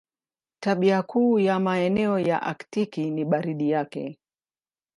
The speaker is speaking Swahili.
Tabia kuu ya maeneo ya Aktiki ni baridi yake.